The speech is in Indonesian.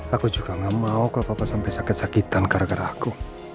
aku juga gak mau ke apa apa sampai sakit sakitan gara gara aku